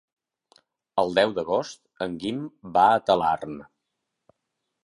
El deu d'agost en Guim va a Talarn.